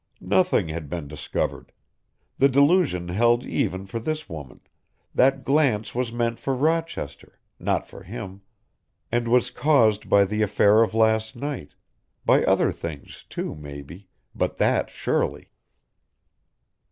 Nothing had been discovered, the delusion held even for this woman, that glance was meant for Rochester, not for him, and was caused by the affair of last night, by other things, too, maybe, but that surely.